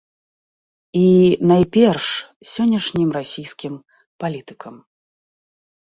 І найперш сённяшнім расійскім палітыкам.